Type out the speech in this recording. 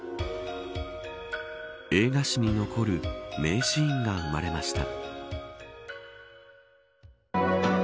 映画史に残る名シーンが生まれました。